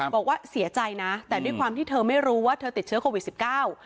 บอกว่าเสียใจนะแต่ด้วยความที่เธอไม่รู้ว่าเธอติดเชื้อโควิดสิบเก้า